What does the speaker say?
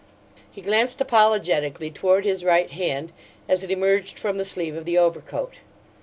He glanced apologetically toward his right hand as it emerged from the sleeve of the overcoat.